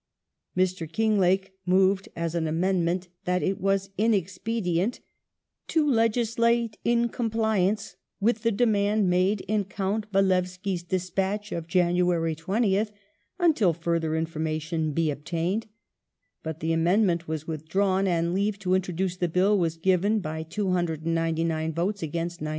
Mr. Kinglake moved as an amendment that it was inexpedient " to legislate in compliance with the demand made in Count Walewski's despatch of January 20th, until further inforaiation be obtained," but the amendment was withdrawn and leave to introduce the Bill was given by 299 votes against 99.